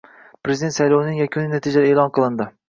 Prezident saylovining yakuniy natijalari e’lon qilinding